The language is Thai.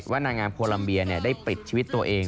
นางงามโคลัมเบียได้ปิดชีวิตตัวเอง